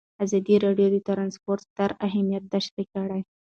ازادي راډیو د ترانسپورټ ستر اهميت تشریح کړی.